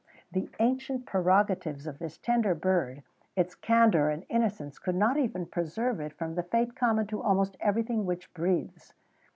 the ancient prerogatives of this tender bird, its candour and innocence, could not even preserve it from the fate common to almost everything which breathes.